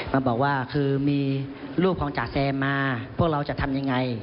มาบอกว่าคือมีลูกของจ๋าแซมมาพวกเราจะทำยังไง